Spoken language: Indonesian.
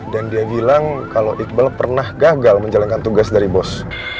dia bilang kalau iqbal pernah gagal menjalankan tugas dari bos